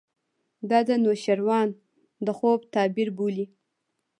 دا د نوشیروان د خوب تعبیر بولي.